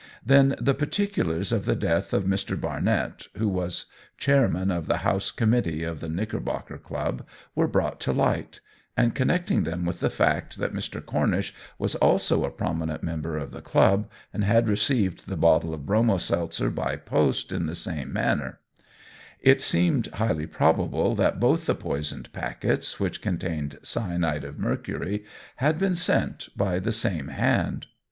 Then the particulars of the death of Mr. Barnett, who was Chairman of the House Committee of the Knickerbocker Club, were brought to light; and connecting them with the fact that Mr. Cornish was also a prominent member of the club, and had received the bottle of Bromo seltzer by post in the same manner, it seemed highly probable that both the poisoned packets which contained cyanide of mercury, had been sent by the same hand.